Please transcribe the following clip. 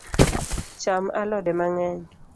Cham alode mang’eny